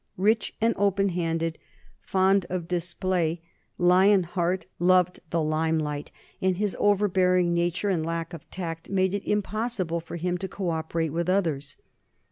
Rich, open handed, fond of display, 130 NORMANS IN EUROPEAN HISTORY Lion Heart "loved the lime light/' and his overbear ing nature and lack of tact made it impossible for him to cooperate with others.